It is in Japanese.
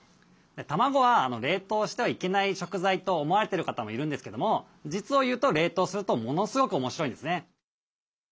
卵は冷凍してはいけない食材と思われてる方もいるんですけども実を言うと冷凍するとものすごく面白いんですね。